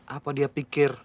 apa dia pikir